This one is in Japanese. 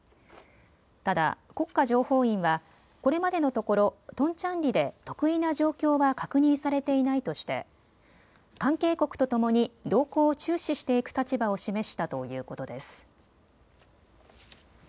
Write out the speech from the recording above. ただ、国家情報院はこれまでのところトンチャンリで特異な状況は確認されていないとして関係国とともに動向を注視していく立場を示したということです。